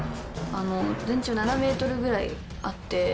全長７メートルぐらいあって。